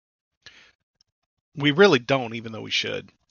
We really don't even though we should.